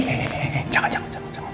eh eh eh eh jangan jangan